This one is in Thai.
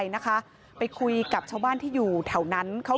ช่องบ้านต้องช่วยแจ้งเจ้าหน้าที่เพราะว่าโดนฟันแผลเวิกวะค่ะ